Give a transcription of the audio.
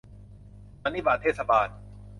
สันนิบาตเทศบาล